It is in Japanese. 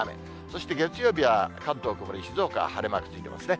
そして月曜日は関東曇り、静岡は晴れマークついていますね。